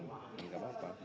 itu masih tetap sukapmu